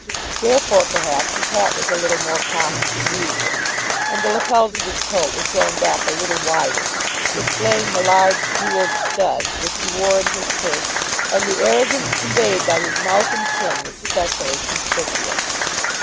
Therefore, perhaps, his hat was a little more cocked than usual, and the lapels of his coat were thrown back a little wider, displaying the large jewelled studs which he wore in his shirt; and the arrogance conveyed by his mouth and chin was specially conspicuous.